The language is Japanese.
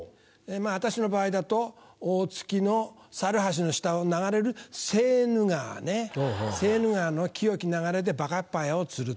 私の場合だと大月の猿橋の下を流れるセーヌ川ねセーヌ川の清き流れでバカッパヤを釣ると。